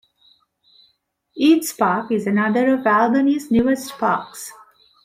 Eads Park is another of Albany's newest parks.